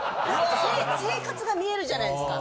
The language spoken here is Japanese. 生活が見えるじゃないですか？